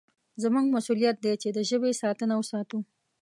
زموږ مسوولیت دی چې د ژبې ساتنه وساتو.